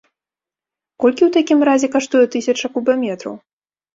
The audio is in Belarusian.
Колькі ў такім разе каштуе тысяча кубаметраў?